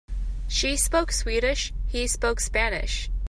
She spoke Swedish, he spoke Spanish.